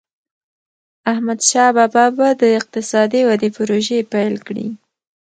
احمدشاه بابا به د اقتصادي ودي پروژي پیل کړي.